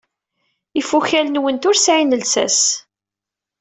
Ifukal-nwet ur sɛin llsas.